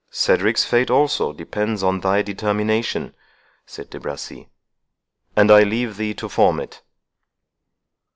"Cedric's fate also depends upon thy determination," said De Bracy; "and I leave thee to form it."